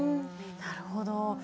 なるほど。